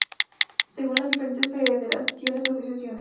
Según las diferentes federaciones o asociaciones.